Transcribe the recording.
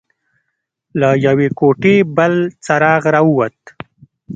له يوې کوټې بل څراغ راووت.